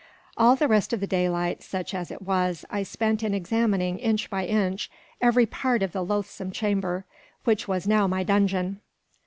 All the rest of the daylight, such as it was, I spent in examining, inch by inch, every part of the loathsome chamber, which was now my dungeon.